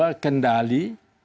yang saat itu sedang dibatasi